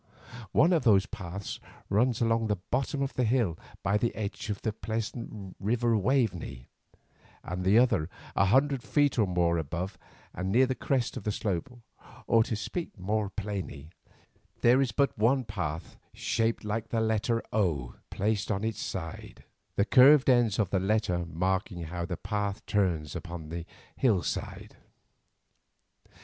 One of these paths runs along the bottom of the hill by the edge of the pleasant river Waveney, and the other a hundred feet or more above and near the crest of the slope, or to speak more plainly, there is but one path shaped like the letter O, placed thus ⬭, the curved ends of the letter marking how the path turns upon the hill side.